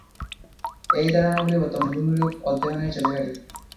এই ধারণাগুলি বর্তমানে ভূমিরূপ অধ্যয়নের চাবিকাঠি।